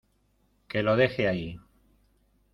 Que lo dejé ahí.